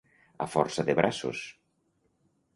A força de braços.